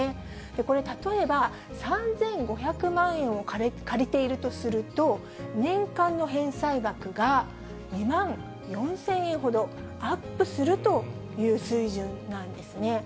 これ例えば、３５００万円を借りているとすると、年間の返済額が、２万４０００円ほどアップするという水準なんですね。